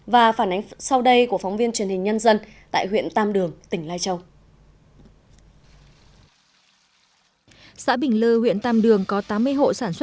và phản ánh sau đây của phóng viên truyền hình nhân dân tại huyện tam đường tỉnh lai châu